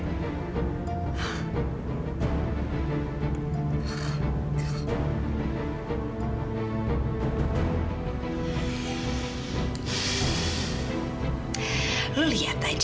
ibu mita itu